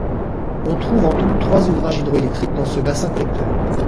On trouve en tout trois ouvrages hydroélectriques dans ce bassin collecteur.